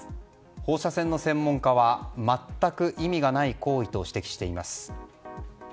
放射線の専門家は全く意味がない行為と指摘しています。